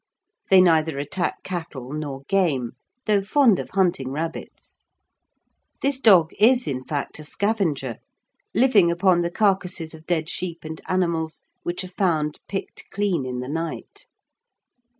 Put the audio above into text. They neither attack cattle nor game, though fond of hunting rabbits. This dog is, in fact, a scavenger, living upon the carcases of dead sheep and animals, which are found picked clean in the night.